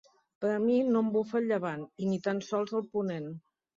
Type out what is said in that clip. Però a mi no em bufa el llevant, i ni tan sols el ponent!